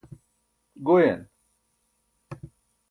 goyan